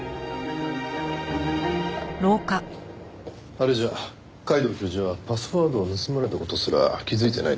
あれじゃ皆藤教授はパスワードを盗まれた事すら気づいてないでしょうね。